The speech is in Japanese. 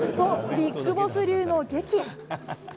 ビッグボス流の檄。